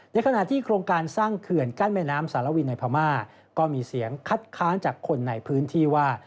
ในขณะที่โครงการสร้างเขื่อนกั้นแม่น้ำสารวินในพม่าก็มีเสียงคัดค้านจากคนในพื้นที่ว่า